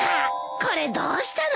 これどうしたの？